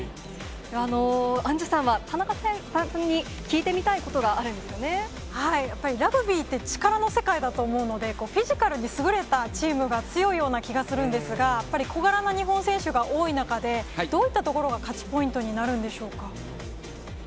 アンジュさんは田中さんに聞やっぱりラグビーって力の世界だと思うので、フィジカルに優れたチームが強いような気がするんですが、やっぱり小柄な日本選手が多い中で、どういったところが勝ちポイントになるんでしょうか。